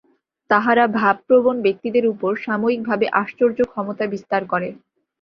তাহারা ভাবপ্রবণ ব্যক্তিদের উপর সাময়িকভাবে আশ্চর্য ক্ষমতা বিস্তার করে।